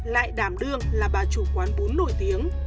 lại đảm đương là bà chủ quán bún nổi tiếng